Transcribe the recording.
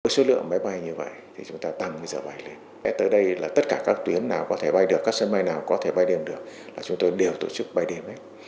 số lượng máy bay như vậy thì chúng ta tăng giờ bay lên và tới đây là tất cả các tuyến nào có thể bay được các sân bay nào có thể bay đêm được là chúng tôi đều tổ chức bay đêm